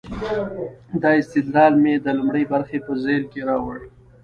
دا استدلال مې د لومړۍ برخې په ذیل کې راوړ.